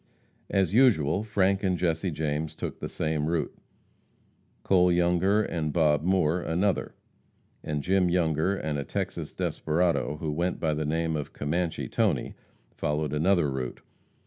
As usual, Frank and Jesse James took the same route; Cole Younger and Bob Moore another, and Jim Younger and a Texas desperado who went by the name of Commanche Tony, followed another route.